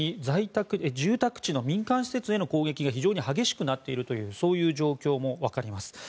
住宅地の民間施設への攻撃が非常に激しくなっている状況も分かります。